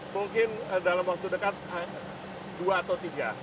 mungkin dalam waktu dekat dua atau tiga